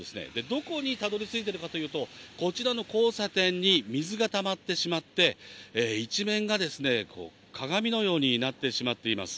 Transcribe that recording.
どこにたどりついてるかというと、こちらの交差点に水がたまってしまって、一面が鏡のようになってしまっています。